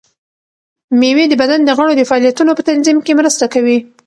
مېوې د بدن د غړو د فعالیتونو په تنظیم کې مرسته کوي.